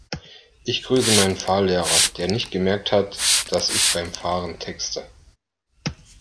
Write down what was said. Ich grüße meinen Fahrlehrer, der nicht gemerkt hat, dass ich beim Fahren texte.